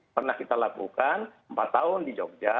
pernah kita lakukan empat tahun di jogja